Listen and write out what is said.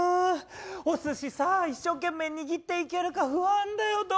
お寿司さ、一生懸命握っていけるか不安だよ。